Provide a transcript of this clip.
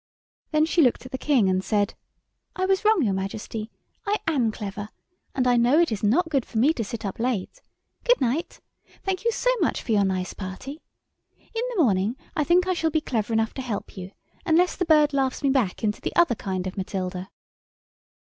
Then she looked at the King and said, "I was wrong, your Majesty, I am clever, and I know it is not good for me to sit up late. Good night. Thank you so much for your nice party. In the morning I think I shall be clever enough to help you, unless the bird laughs me back into the other kind of Matilda."